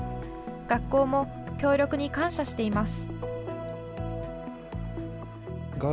学校も協力に感謝しています。